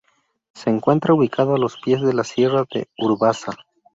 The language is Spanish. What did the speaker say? Se encuentra ubicado a los pies de la Sierra de Urbasa.